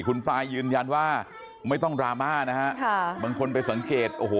คุณฟายยืนยันว่าไม่ต้องดราม่านะฮะค่ะบางคนไปสังเกตโอ้โห